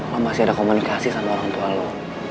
lo masih ada komunikasi sama orang tua lo